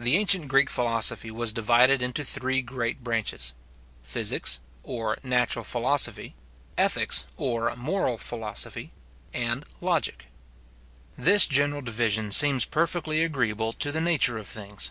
The ancient Greek philosophy was divided into three great branches; physics, or natural philosophy; ethics, or moral philosophy; and logic. This general division seems perfectly agreeable to the nature of things.